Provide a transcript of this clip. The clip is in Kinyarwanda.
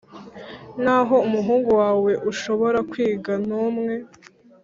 Naho umuhungu wawe ushobora kwiga numwe